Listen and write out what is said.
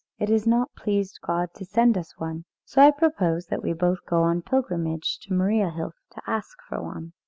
It has not pleased God to send us one, so I propose that we both go on pilgrimage to Mariahilf to ask for one."